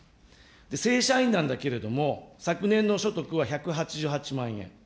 正社員なんだけれども、昨年の所得は１８８万円。